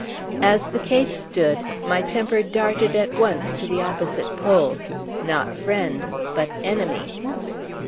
As the case stood, my temper darted at once to the opposite pole; not friend, but enemy!